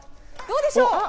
どうでしょう？